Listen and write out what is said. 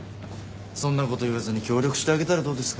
そんなこと言わずに協力してあげたらどうですか？